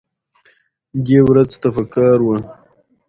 دې ورځ ته پکار وه